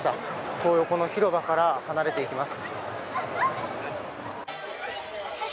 トー横の広場から離れていきます。